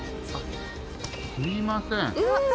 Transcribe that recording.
すいません。